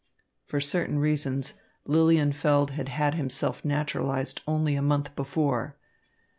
For certain reasons Lilienfeld had had himself naturalised only a month before.